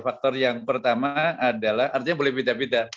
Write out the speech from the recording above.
faktor yang pertama adalah artinya boleh beda beda